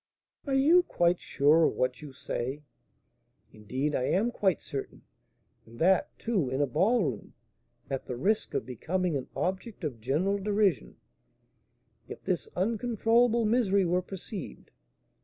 "Are you quite sure of what you say?" "Indeed, I am quite certain; and that, too, in a ballroom, at the risk of becoming an object of general derision, if this uncontrollable misery were perceived!